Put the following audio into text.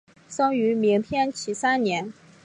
生于明天启三年。